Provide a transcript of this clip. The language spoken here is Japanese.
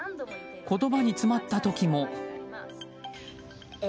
言葉に詰まった時も。